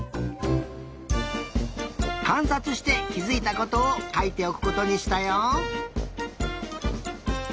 かんさつしてきづいたことをかいておくことにしたよ。